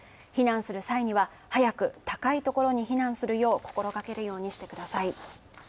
避難する際には、早く高いところに避難するよう心がけるようにしてください。